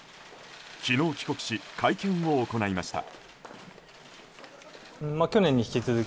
昨日、帰国し会見を行いました。